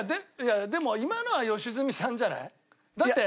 でも今のは良純さんじゃない？だって。